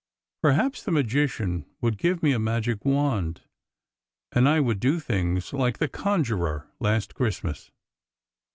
(Perhaps the magician would give me a magic wand, and I would do things like the conjurer last Christmas.)